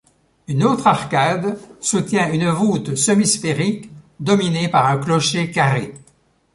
Une autre arcade soutient une voûte semi-sphérique dominée par un clocher carré.